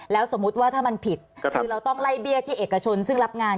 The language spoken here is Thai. แล้วสมมุติว่าถ้ามันผิดคือเราต้องไล่เบี้ยที่เอกชนซึ่งรับงาน